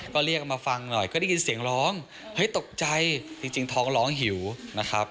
ก็เรียกมาฟังหน่อยก็ได้ยินเสียงร้องเฮ้ยตกใจจริงท้องร้องหิวนะครับ